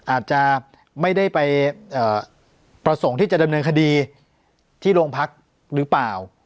อาจจะไม่ได้ไปประสงค์ที่จะดำเนินคดีที่โรงพักหรือเปล่า